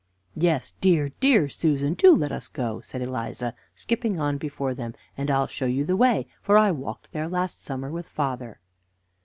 "Yes, dear, dear Susan, do let us go," said Eliza, skipping on before them, "and I'll show you the way, for I walked there last summer with father."